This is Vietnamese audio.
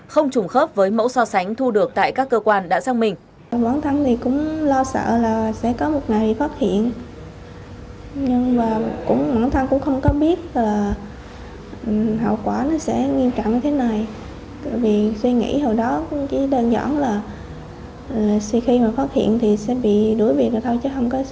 không trùng khớp với mẫu so sánh thu được tại các cơ quan đã sang mình